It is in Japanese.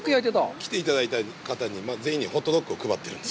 来ていただいた方全員にホットドッグを配ってるんです。